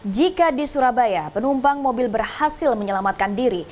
jika di surabaya penumpang mobil berhasil menyelamatkan diri